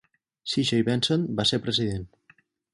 C. J. Benson va ser president.